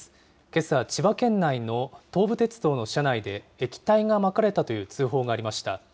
けさ、千葉県内の東武鉄道の車内で、液体がまかれたという通報がありました。